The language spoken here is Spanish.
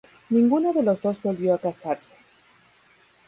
Ninguno de los dos volvió a casarse.